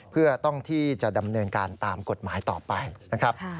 เพื่อต้องที่จะดำเนินการตามกฎหมายต่อไปนะครับ